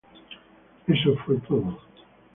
Eso fue todo.